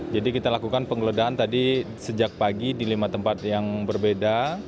jadi kita lakukan penggeledahan tadi sejak pagi di lima tempat yang berbeda